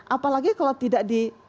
apalagi kalau tidak